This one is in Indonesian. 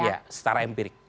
ya secara empirik